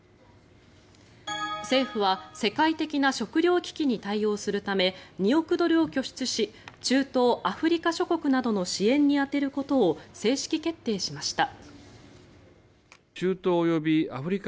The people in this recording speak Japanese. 政府は世界的な食料危機に対応するため２億ドルを拠出し中東・アフリカ諸国などの支援に充てることを正式決定しました。